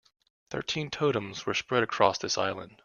Thirteen totems were spread across this island.